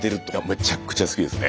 めちゃくちゃ好きですね。